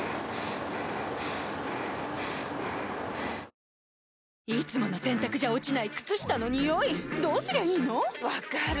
最高の渇きにＤＲＹいつもの洗たくじゃ落ちない靴下のニオイどうすりゃいいの⁉分かる。